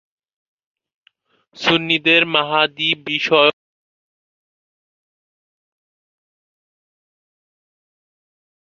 সুন্নিদের মাহদী বিষয়ক বহু হাদীস কুতুব আল-সিত্তাহতে সংকলিত রয়েছে।